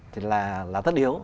thì là tất yếu